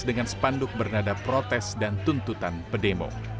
dengan sepanduk bernada protes dan tuntutan pedemo